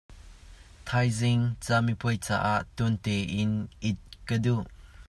Thaizing caminpuai caah tuan tein it ka duh.